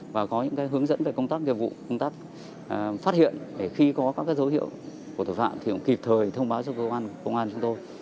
và có những hướng dẫn về công tác nghiệp vụ công tác phát hiện để khi có các dấu hiệu của tội phạm thì cũng kịp thời thông báo cho cơ quan công an chúng tôi